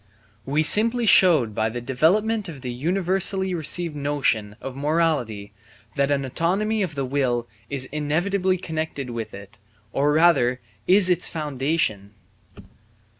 We simply showed by the development of the universally received notion of morality that an autonomy of the will is inevitably connected with it, or rather is its foundation.